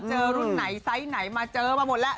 เจอรุ่นไหนไซส์ไหนมาเจอมาหมดแล้ว